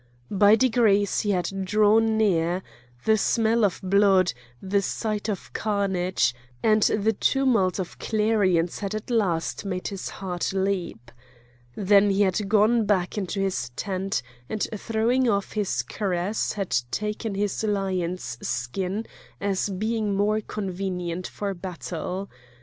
By degrees he had drawn near; the smell of blood, the sight of carnage, and the tumult of clarions had at last made his heart leap. Then he had gone back into his tent, and throwing off his cuirass had taken his lion's skin as being more convenient for battle.